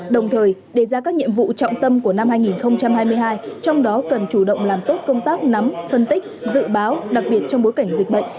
đồng thời đề ra các nhiệm vụ trọng tâm của năm hai nghìn hai mươi hai trong đó cần chủ động làm tốt công tác nắm phân tích dự báo đặc biệt trong bối cảnh dịch bệnh